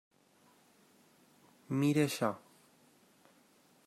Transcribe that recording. Mira això.